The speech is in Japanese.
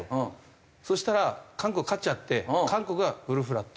そしたら韓国勝っちゃって韓国がフルフラット。